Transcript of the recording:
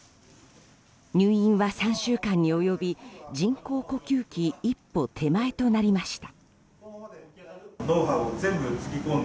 入院は３週間に及び人工呼吸器一歩手前となりました。